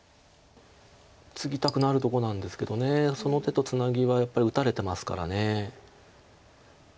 ツギたくなるとこなんですけどその手とツナギはやっぱり打たれてますから。